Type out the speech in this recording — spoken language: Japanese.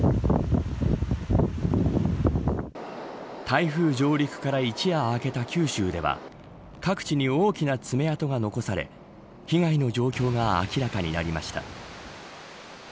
台風上陸から一夜明けた九州では各地に大きな爪痕が残され被害の状況が明らかになりました。